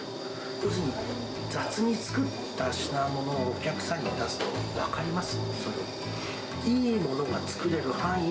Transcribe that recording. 要するに、雑に作った品物をお客さんに出すと、分かります。